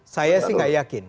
saya sih gak yakin